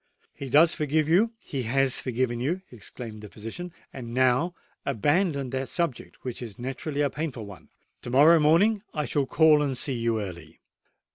"He does forgive you—he has forgiven you," exclaimed the physician. "And now abandon that subject, which is naturally a painful one. To morrow morning I shall call and see you early."